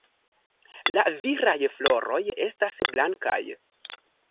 La viraj floroj estas blankaj.